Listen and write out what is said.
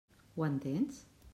Ho entens?